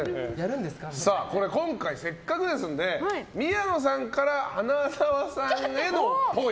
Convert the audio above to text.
今回せっかくですので宮野さんから花澤さんへの、っぽい。